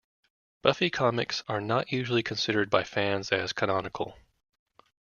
Buffy comics are not usually considered by fans as canonical.